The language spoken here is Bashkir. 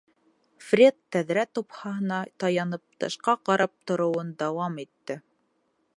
Фред тәҙрә тупһаһына таянып тышҡа «ҡарап» тороуын дауам итте.